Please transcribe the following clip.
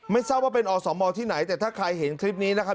ทราบว่าเป็นอสมที่ไหนแต่ถ้าใครเห็นคลิปนี้นะครับ